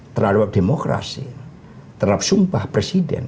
terhadap demokrasi terhadap sumpah presiden